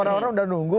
orang orang udah nunggu